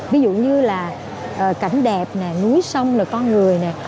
ví dụ như là cảnh đẹp nè núi sông là con người nè